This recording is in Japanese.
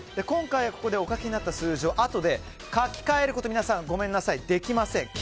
今回ここでお書きになった数字をあとで書き換えることは皆さん、できません。